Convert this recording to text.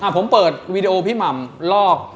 ผมเปิดวีดีโอพี่หม่ำลอก